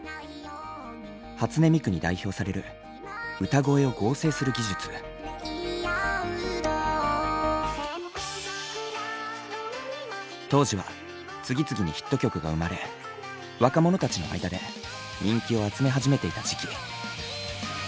初音ミクに代表される当時は次々にヒット曲が生まれ若者たちの間で人気を集め始めていた時期。